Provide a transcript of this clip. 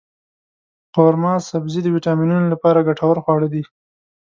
قورمه سبزي د ویټامینونو لپاره ګټور خواړه دی.